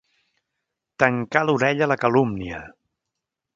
Tancar l'orella a la calúmnia.